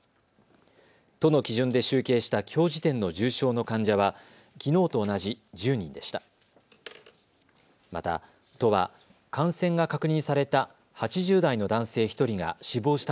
都の基準で集計したきょう時点の重症の患者はきのうと同じ１０人でした。